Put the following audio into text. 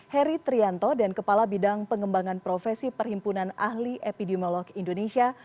heri trianto dan kepala bidang pengembangan profesi perhimpunan ahli epidemiolog indonesia